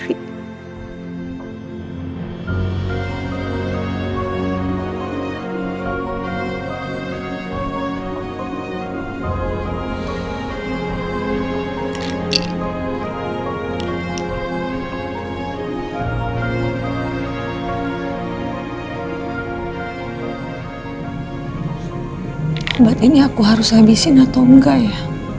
obat ini aku harus habisin atau enggak ya